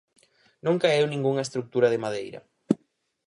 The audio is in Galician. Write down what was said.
Non caeu ningunha estrutura de madeira.